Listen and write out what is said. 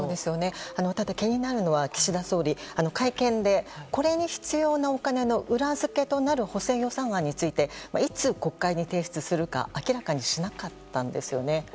ただ、気になるのは岸田総理会見で、これに必要なお金の裏付けとなる補正予算案についていつ、国会に提出するか明らかにしなかったんですよね。